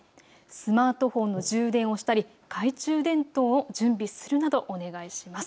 スマートフォンの充電をしたり懐中電灯を準備するなどお願いします。